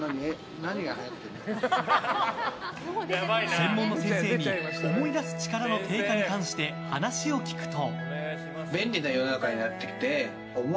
専門の先生に思い出す力の低下に関して話を聞くと。